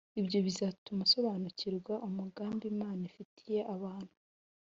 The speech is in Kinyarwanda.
Ibyo bizatuma usobanukirwa umugambi Imana ifitiye abantu